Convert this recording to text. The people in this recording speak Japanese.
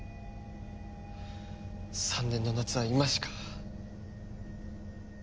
３年の夏は今しか。